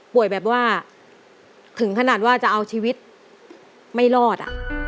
แบบว่าถึงขนาดว่าจะเอาชีวิตไม่รอด